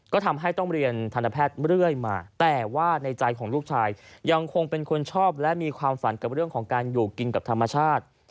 ก็ทำให้ต้องเรียนทันแพทย์เรื่อยมาแต่ว่าในใจของลูกชายยังคงเป็นคนชอบและมีความฝันกับเรื่องของการอยู่กินกับธรรมชาติ